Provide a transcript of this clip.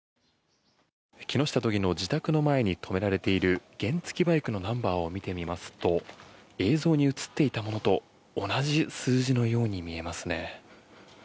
木下都議の自宅の前に止められている原付きバイクのナンバーを見てみますと映像に映っていたものと同じ数字のように見えますね。